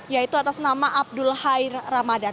yaitu atas nama abdul hair ramadan